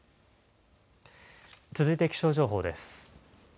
続いて気象情報です。